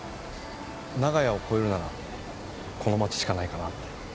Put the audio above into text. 長屋を超えるならこの街しかないかなって。